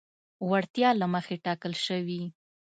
وړتیا له مخې ټاکل شوي.